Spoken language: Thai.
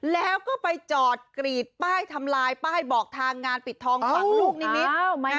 แล้วก็ไปจอดกรีดป้ายทำลายป้ายบอกทางงานปิดทองฝั่งลูกนิมิตร